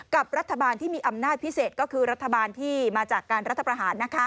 กับรัฐบาลที่มีอำนาจพิเศษก็คือรัฐบาลที่มาจากการรัฐประหาร